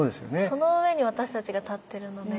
その上に私たちが立ってるので。